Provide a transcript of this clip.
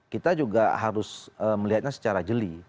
kita juga harus melihatnya secara jeli